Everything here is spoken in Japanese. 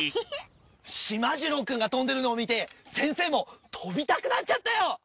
しまじろうくんがとんでるのを見て先生もとびたくなっちゃったよ。